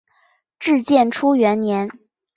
至建初元年。